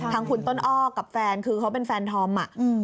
ทางคุณต้นอ้อกับแฟนคือเขาเป็นแฟนธอม